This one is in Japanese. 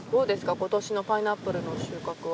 今年のパイナップルの収穫は。